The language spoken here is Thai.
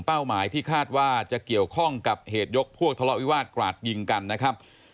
หมายที่คาดว่าจะเกี่ยวข้องกับเหตุยกพวกทะเลาะวิวาสกราดยิงกันนะครับ